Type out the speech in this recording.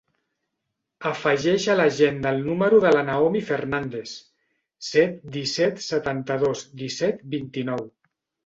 Afegeix a l'agenda el número de la Naomi Fernandes: set, disset, setanta-dos, disset, vint-i-nou.